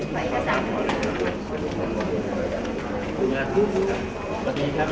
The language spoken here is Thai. สวัสดีครับ